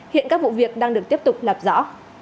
hiện các vụ việc đang được tiếp tục lạp rõ